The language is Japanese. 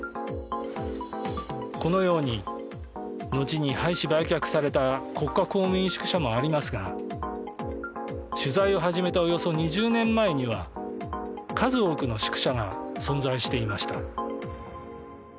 このように後に廃止・売却された国家公務員宿舎もありますが取材を始めたおよそ２０年前には数多くの宿舎が存在していました。